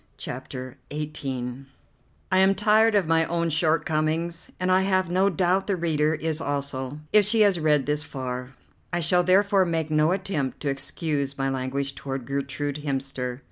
CHAPTER XVIII I am tired of my own shortcomings, and I have no doubt the reader is also, if she has read this far. I shall therefore make no attempt to excuse my language toward Gertrude Hemster.